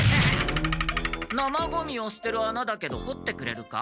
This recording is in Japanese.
生ゴミをすてる穴だけど掘ってくれるか？